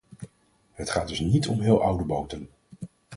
Het gaat dus niet om heel oude boten.